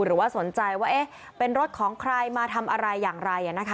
หรือว่าสนใจว่าเป็นรถของใครมาทำอะไรอย่างไร